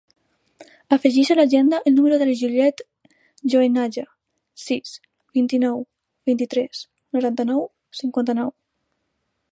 Afegeix a l'agenda el número de la Juliet Goenaga: sis, vint-i-nou, vint-i-tres, noranta-nou, cinquanta-nou.